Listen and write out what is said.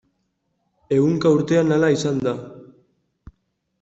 Ehunka urtean hala izan da.